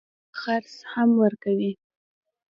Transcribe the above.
جيب خرڅ هم ورکوي.